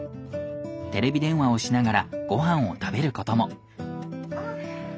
テレビ電話をしながらごはんを食べることも。